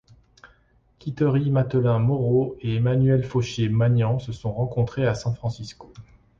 Quitterie Mathelin-Moreaux et Emmanuelle Fauchier-Magnan se sont rencontrées à San Francisco.